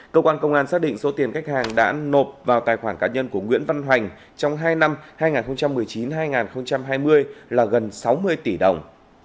cơ quan công an xác định số tiền khách hàng đã nộp vào tài khoản cá nhân của nguyễn văn hoành trong hai năm hai nghìn một mươi chín hai nghìn hai mươi là gần sáu mươi tỷ đồng